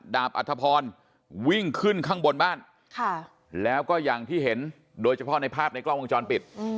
อัธพรวิ่งขึ้นข้างบนบ้านแล้วก็อย่างที่เห็นโดยเฉพาะในภาพในกล้องวงจรปิด